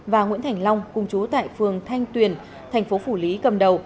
và nguyễn thành long cùng chú tại phường thanh tuyền thành phố phủ lý cầm đầu